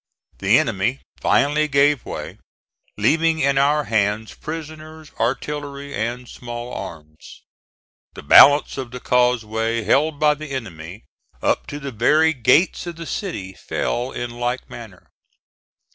The enemy finally gave way, leaving in our hands prisoners, artillery and small arms. The balance of the causeway held by the enemy, up to the very gates of the city, fell in like manner.